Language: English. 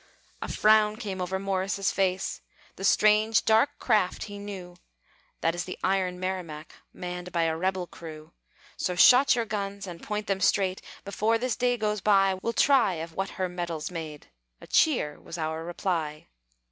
A frown came over Morris' face; The strange, dark craft he knew; "That is the iron Merrimac, Manned by a rebel crew. "So shot your guns, and point them straight; Before this day goes by, We'll try of what her metal's made." A cheer was our reply.